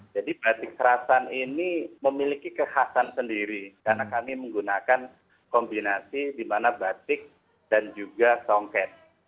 jadi batik serasan ini memiliki kekhasan sendiri karena kami menggunakan kombinasi di mana batik dan juga songket